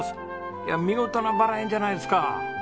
いや見事なバラ園じゃないですか！